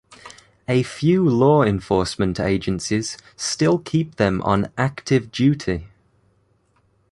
A few law enforcement agencies still keep them on active duty.